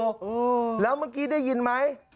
อืมแล้วเมื่อกี้ได้ยินไหม